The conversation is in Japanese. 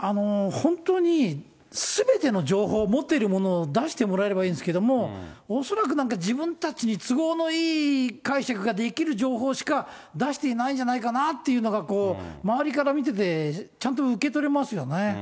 本当にすべての情報、持っているものを出してもらえればいいんですけど、恐らくなんか、自分たちに都合のいい解釈ができる情報しか出していないんじゃないかなっていうのが、周りから見ててちゃんと受け取れますよね。